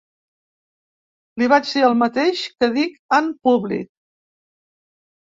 Li vaig dir el mateix que dic en públic.